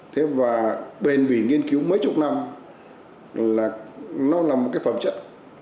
thế và bền bỉ nghiên cứu mấy chục năm là nó là một cái phẩm chất